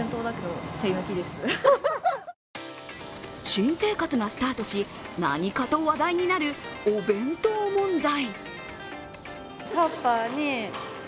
新生活がスタートし何かと話題になるお弁当問題。